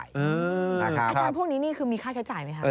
อาจารย์พวกนี้มีค่าใช้จ่ายไหมครับ